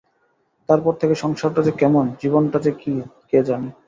তারপর থেকে সংসারটা যে কেমন, জীবনটা যে কী, কে জানে!